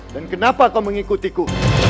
dan kenapa kau mengikutiku